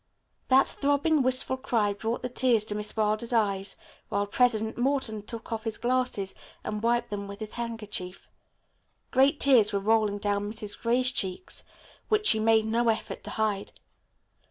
That throbbing, wistful cry brought the tears to Miss Wilder's eyes, while President Morton took off his glasses and wiped them with his handkerchief. Great tears were rolling down Mrs. Gray's cheeks which she made no effort to hide.